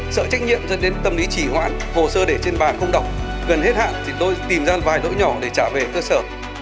sợ trách nhiệm dẫn đến tâm lý chỉ hoãn hồ sơ để trên bàn không đọc gần hết hạn thì tôi tìm ra vài lỗi nhỏ để trả về cơ sở